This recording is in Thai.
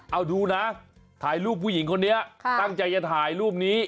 เอาดูนะถ่ายรูปผู้หญิงคนนี้ตั้งใจจะถ่ายรูปนี้